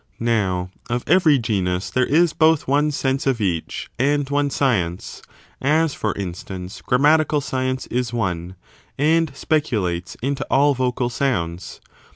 Now, of every genus there is both one sense of each and one science; as, for instance, grammatical science is one, and speculates into all vocal sounds.